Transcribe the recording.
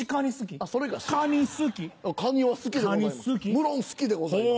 無論好きでございます。